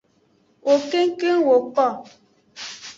Wo kengkeng woko.